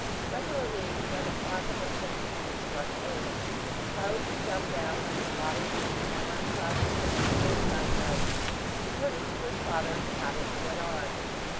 Regularly, when the clock on the chimney piece struck eight, Charlie would jump down from his father's knee and run across the room for his night dress, returning to his father to have it put on.